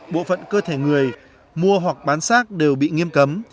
bộ phận cơ thể người mua hoặc bán xác đều bị nghiêm cấm